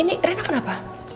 ini reina kenapa